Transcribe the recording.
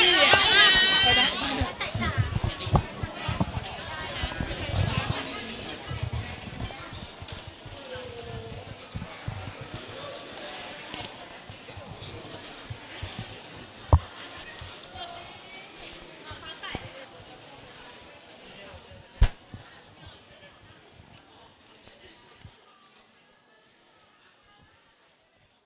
โอเคค่ะจากฝั่งนู้นมาอีกค่ะขอใส่เดินหน้านิดนึงค่ะนะครับ